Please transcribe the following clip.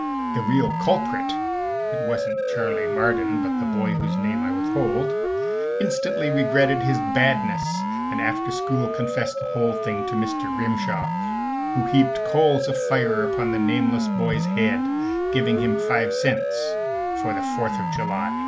The real culprit (it wasn't Charley Marden, but the boy whose name I withhold) instantly regretted his badness, and after school confessed the whole thing to Mr. Grimshaw, who heaped coals of fire upon the nameless boy's head giving him five cents for the Fourth of July.